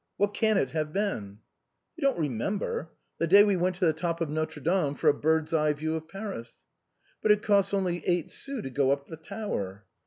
What can it have been ?"" You don't remember ! The day we went to the top of Notre Dame for a bird's eye view of Paris." " But it costs only eight sous to go up the tower."